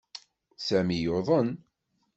Sami yuḍen.